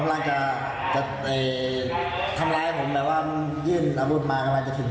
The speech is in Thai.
อ่อแล้วเสพยาบ้าไหม